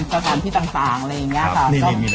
จริงจริงญี่ปุ่นจีนฮ่องกงอะไรอย่างนี้ค่ะ